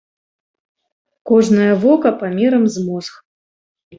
Кожнае вока памерам з мозг.